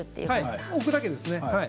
置くだけですね。